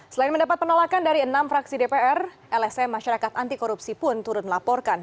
selain mendapat penolakan dari enam fraksi dpr lsm masyarakat anti korupsi pun turut melaporkan